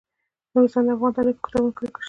نورستان د افغان تاریخ په کتابونو کې ذکر شوی دي.